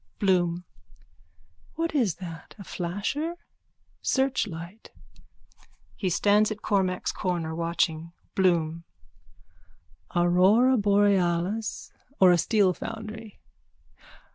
_ BLOOM: What is that? A flasher? Searchlight. (He stands at Cormack's corner, watching.) BLOOM: Aurora borealis or a steel foundry?